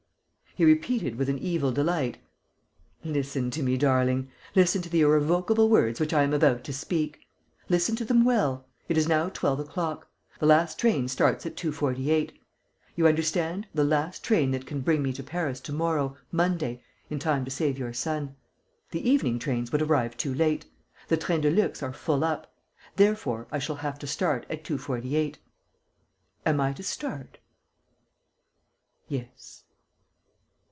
He repeated, with an evil delight: "Listen to me, darling. Listen to the irrevocable words which I am about to speak. Listen to them well. It is now 12 o'clock. The last train starts at 2.48: you understand, the last train that can bring me to Paris to morrow, Monday, in time to save your son. The evening trains would arrive too late. The trains de luxe are full up. Therefore I shall have to start at 2.48. Am I to start?" "Yes."